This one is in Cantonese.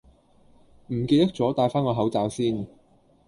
唔記得咗帶返個口罩先